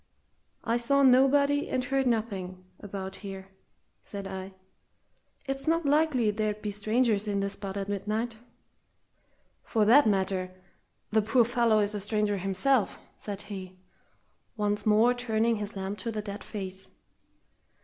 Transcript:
"I saw nobody and heard nothing about here," said I. "It's not likely there'd be strangers in this spot at midnight." "For that matter, the poor fellow is a stranger himself," said he, once more turning his lamp on the dead face.